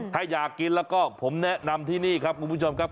ถ้าอยากกินแล้วก็ผมแนะนำที่นี่ครับคุณผู้ชมครับ